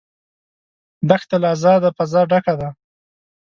دښته له آزاده فضا ډکه ده.